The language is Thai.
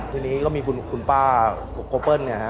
ทีนี้ก็มีคุณป้าโกเปิ้ลเนี่ยฮะ